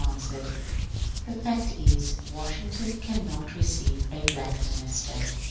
answered, ^^The fact is, Washington cannot receive a black minister."